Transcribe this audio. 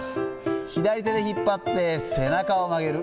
左手で引っ張って、背中を曲げる。